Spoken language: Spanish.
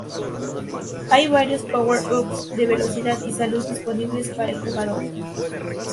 Hay varios power-ups de velocidad y salud disponibles para el jugador.